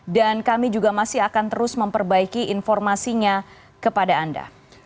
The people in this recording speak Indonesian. kami juga masih akan terus memperbaiki informasinya kepada anda